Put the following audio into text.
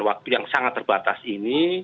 waktu yang sangat terbatas ini